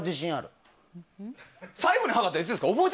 最後に測ったのはいつですか。